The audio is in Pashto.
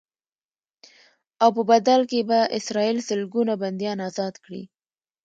او په بدل کې به اسرائیل سلګونه بنديان ازاد کړي.